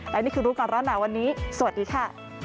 และนี่คือรู้ก่อนร้อนหนาวันนี้สวัสดีค่ะ